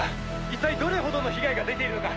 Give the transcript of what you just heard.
「一体どれほどの被害が出ているのか